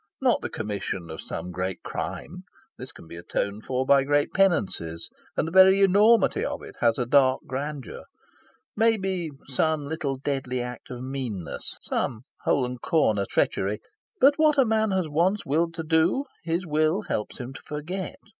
Not the commission of some great crime: this can be atoned for by great penances; and the very enormity of it has a dark grandeur. Maybe, some little deadly act of meanness, some hole and corner treachery? But what a man has once willed to do, his will helps him to forget.